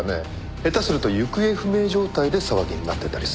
下手すると行方不明状態で騒ぎになってたりする。